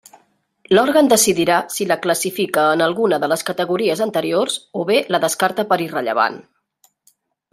L'òrgan decidirà si la classifica en alguna de les categories anteriors, o bé la descarta per irrellevant.